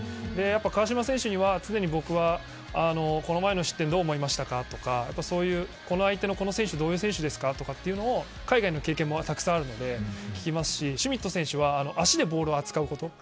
川島選手には、常に僕はこの前の失点はどう思いましたかとかこの相手の、この選手はどういう選手かというのを海外の経験もたくさんあるので聞きますしシュミット選手は足でボールを扱うこと。